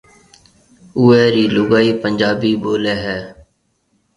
اوئيَ رِي لوگائي پنجابي ٻوليَ ھيََََ